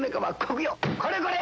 これこれ！